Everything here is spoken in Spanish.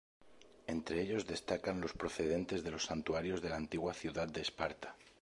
Entre ellos destacan los procedentes de los santuarios de la antigua ciudad de Esparta.